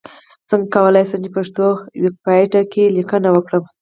څنګه کولای شم چې پښتو ويکيپېډيا کې ليکنې وکړم؟